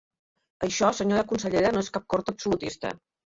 Això, senyora consellera no és cap cort absolutista.